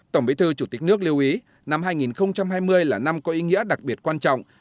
tổng bí thư chủ tịch nước lưu ý năm hai nghìn hai mươi là năm có ý nghĩa đặc biệt quan trọng